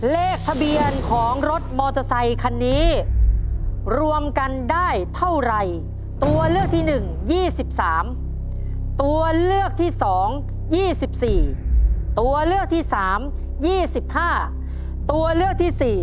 เลขทะเบียนของรถมอเตอร์ไซคันนี้รวมกันได้เท่าไรตัวเลือกที่๑๒๓ตัวเลือกที่๒๒๔ตัวเลือกที่๓๒๕ตัวเลือกที่๔